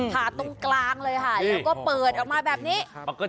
ตรงกลางเลยค่ะแล้วก็เปิดออกมาแบบนี้